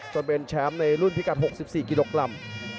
เป็นแชมป์ในรุ่นพิกัด๖๔กิโลกรัม